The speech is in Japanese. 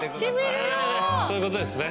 そういうことですね。